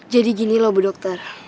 jadi gini lho bu dokter